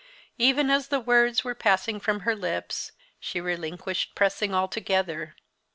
Even as the words were passing from her lips, she relinquished pressing altogether.